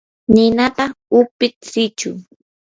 ninata upitsichu.